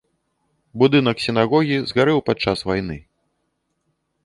Будынак сінагогі згарэў падчас вайны.